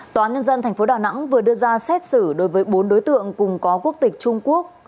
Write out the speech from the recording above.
tòa nhân dân tp đà nẵng vừa đưa ra xét xử đối với bốn đối tượng cùng có quốc tịch trung quốc